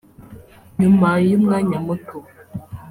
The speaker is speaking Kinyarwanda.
"Nyuma y’umwanya muto